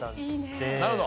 なるほど。